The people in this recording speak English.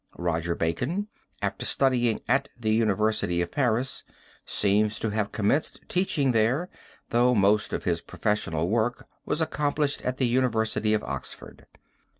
Roger Bacon, after studying at the University of Paris, seems to have commenced teaching there, though most of his professional work was accomplished at the University of Oxford.